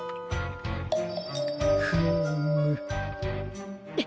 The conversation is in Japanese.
フーム。